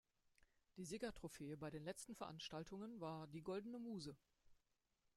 Die Siegertrophäe bei den letzten Veranstaltungen war die „Goldene Muse“.